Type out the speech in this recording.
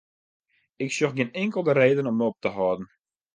Ik sjoch gjin inkelde reden om op te hâlden.